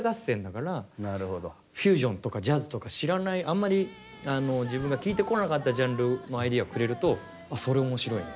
フュージョンとかジャズとか知らないあんまり自分が聴いてこなかったジャンルのアイデアをくれるとあそれ面白いね。